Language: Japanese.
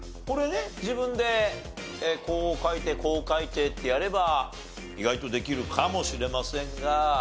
これね自分でこう書いてこう書いてってやれば意外とできるかもしれませんが。